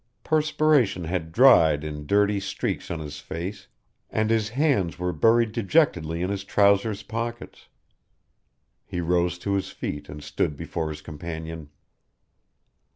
Perspiration had dried in dirty streaks on his face, and his hands were buried dejectedly in his trousers pockets. He rose to his feet and stood before his companion.